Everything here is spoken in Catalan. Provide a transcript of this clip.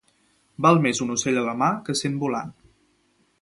Val més un ocell a la mà que cent volant.